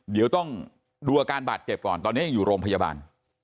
เดี๋ยวต้องดูอาการบาดเจ็บก่อนตอนนี้ยังอยู่โรงพยาบาล